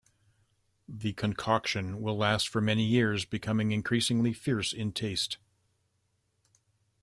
The concoction will last for many years becoming increasingly fierce in taste.